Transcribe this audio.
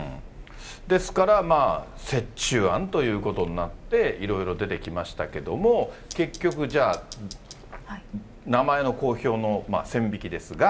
ですから折衷案ということになって、いろいろ出てきましたけども、結局じゃあ、名前の公表の線引きですが。